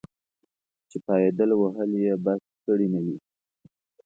چې پایدل وهل یې بس کړي نه وي.